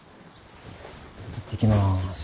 いってきます。